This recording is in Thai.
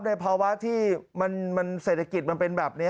ในภาวะที่เศรษฐกิจมันเป็นแบบนี้